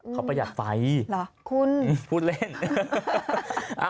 เขาประหยัดไฟพูดเล่นอ่ะคุณ